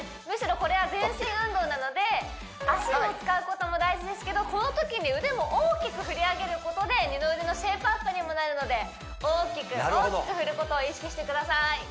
むしろこれは全身運動なので足を使うことも大事ですけどこのときに腕も大きく振り上げることで二の腕のシェイプアップにもなるので大きく大きく振ることを意識してください